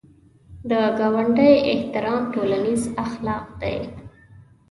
د ګاونډي احترام ټولنیز اخلاق دي